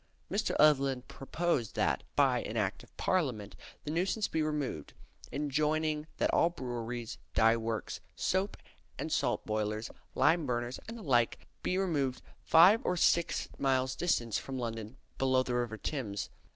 Mr. Evelyn proposed that, by an Act of Parliament, the nuisance be removed; enjoining that all breweries, dye works, soap and salt boilers, lime burners, and the like, be removed five or six miles distant from London below the river Thames.